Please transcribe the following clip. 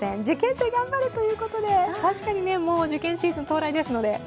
受験生頑張れということで、確かにもう受験シーズン到来ですので。